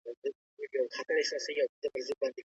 تاسو باید د خپل ژوند هره ګړۍ په پوهه تېره کړئ.